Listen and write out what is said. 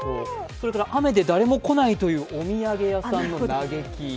それから雨で誰も来ないというお土産屋さんの嘆き。